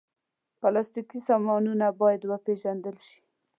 پلاستيکي سامانونه باید وپېژندل شي.